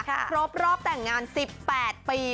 ครบรอบแต่งงาน๑๘ปี